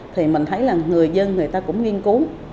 thì mình thấy là người dân người ta cũng nghiên cứu